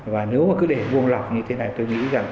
và nếu mà cứ để vuông lọc như thế này tôi nghĩ rằng